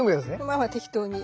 まあまあ適当に。